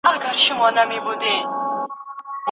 اړودوړ او کشمکش د سياست ناخوالي دي.